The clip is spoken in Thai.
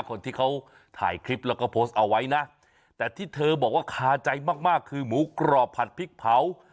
คนที่เขาถ่ายคลิปแล้วก็โพสต์เอาไว้นะแต่ที่เธอบอกว่าคาใจมากมากคือหมูกรอบผัดพริกเผา